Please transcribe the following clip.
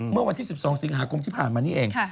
เมื่อวันที่๑๒สิงหาคมที่ผ่านมานี่เอง